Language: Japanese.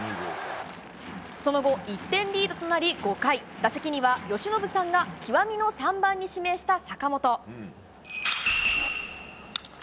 その後、１点リードとなり５回打席には由伸さんが極みの３番に指名した坂本。